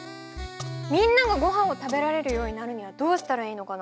みんながごはんを食べられるようになるにはどうしたらいいのかな？